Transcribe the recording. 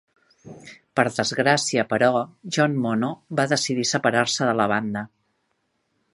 Per desgràcia, però, Jon Mono va decidir separar-se de la banda.